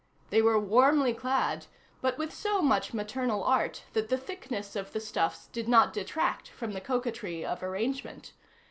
They were warmly clad, but with so much maternal art that the thickness of the stuffs did not detract from the coquetry of arrangement.